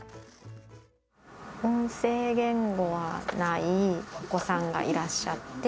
音声言語はないお子さんがいらっしゃって、